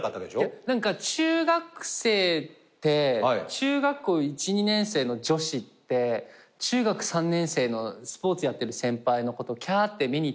中学生って中学校１２年生の女子って中学３年生のスポーツやってる先輩キャーって見に行ったりしません？